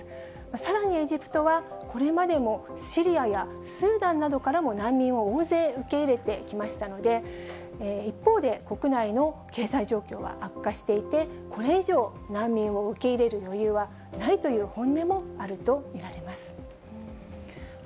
さらにエジプトは、これまでもシリアやスーダンなどからも難民を大勢受け入れてきましたので、一方で国内の経済状況は悪化していて、これ以上、難民を受け入れる余裕はないという本音もあると見られます。